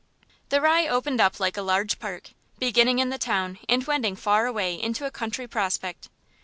The Rye opened up like a large park, beginning in the town and wending far away into a country prospect.